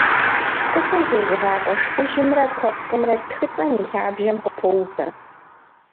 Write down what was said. Цӏыхур зезыгъакӏуэ шхужьымрэ куэпкъымрэ тхыцӏэм и лъабжьэм къыпоувэ.